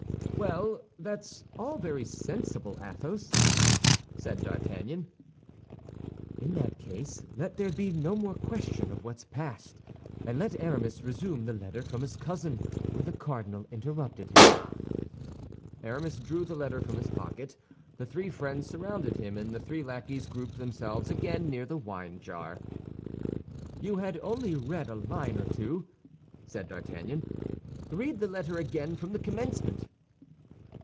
"Well, that's all very sensible, Athos," said D'Artagnan. "In that case, let there be no more question of what's past, and let Aramis resume the letter from his cousin where the cardinal interrupted him." Aramis drew the letter from his pocket; the three friends surrounded him, and the three lackeys grouped themselves again near the wine jar. "You had only read a line or two," said D'Artagnan; "read the letter again from the commencement."